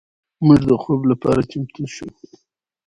موږ د خوب لپاره چمتو شو.